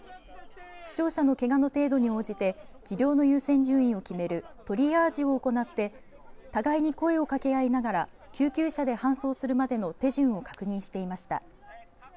負傷者のけがの程度に応じて治療の優先順位を決めるトリアージを行って互いに声をかけあいながら救急車で搬送するまでの手順を確認していました。